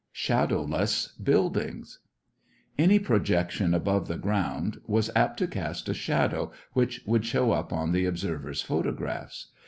SHADOWLESS BUILDINGS Any projection above the ground was apt to cast a shadow which would show up on the observer's photographs.